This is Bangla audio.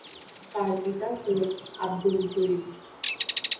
তাঁর পিতা সৈয়দ আবদুল জলিল।